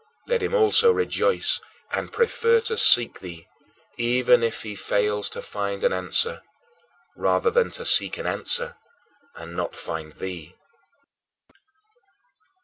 Let him also rejoice and prefer to seek thee, even if he fails to find an answer, rather than to seek an answer and not find thee!